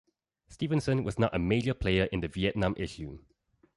Stevenson was not a major player on the Vietnam issue.